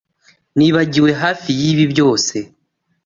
Nibagiwe hafi yibi byose.